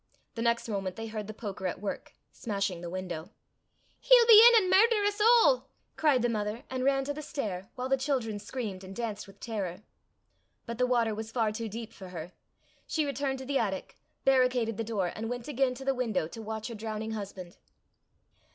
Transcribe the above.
The next moment they heard the poker at work, smashing the window. "He'll be in an' murder 's a'!" cried the mother, and ran to the stair, while the children screamed and danced with terror. But the water was far too deep for her. She returned to the attic, barricaded the door, and went again to the window to watch her drowning husband.